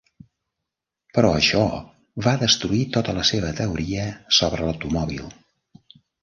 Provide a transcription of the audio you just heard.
Però això va destruir tota la seva teoria sobre l'automòbil.